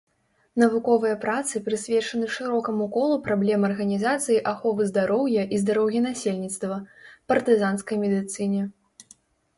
Навуковыя працы прысвечаны шырокаму колу праблем арганізацыі аховы здароўя і здароўя насельніцтва, партызанскай медыцыне.